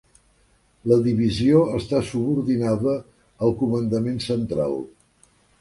La divisió està subordinada al Comandament Central.